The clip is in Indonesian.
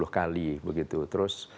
lima puluh kali begitu terus